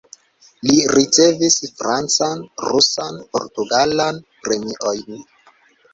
Li ricevis francan, rusan, portugalan premiojn.